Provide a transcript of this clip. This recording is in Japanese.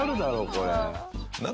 これ。